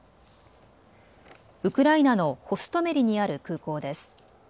ウクライナのホストメリにある空港です。